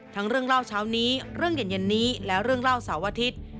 เรื่องเล่าเช้านี้เรื่องเย็นนี้และเรื่องเล่าเสาร์อาทิตย์